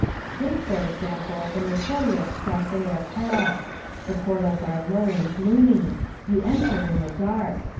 Take, for example, the notorious Café of Hell. The portals are low and gloomy. You enter in the dark.